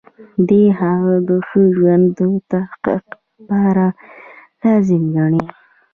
دی هغه د ښه ژوند د تحقق لپاره لازم ګڼي.